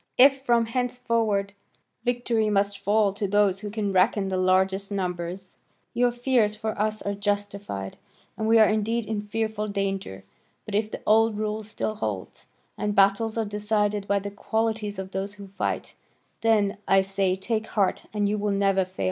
If from henceforward victory must fall to those who can reckon the largest numbers, your fears for us are justified, and we are indeed in fearful danger; but if the old rule still holds, and battles are decided by the qualities of those who fight, then, I say, take heart and you will never fail.